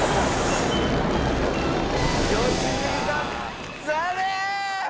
良純さん残念！